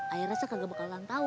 ayah rasa gak bakalan tahu